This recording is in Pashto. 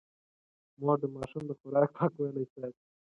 مور د ماشوم د خوراک پاکوالی ساتي.